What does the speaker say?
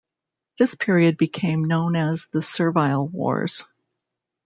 This period became known as the Servile Wars.